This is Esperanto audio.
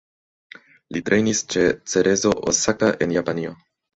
Li trejnis ĉe Cerezo Osaka en Japanio.